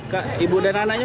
kak ibu dan anaknya